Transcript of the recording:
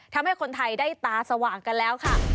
ทำให้คนไทยได้ตาสว่างกันแล้วค่ะ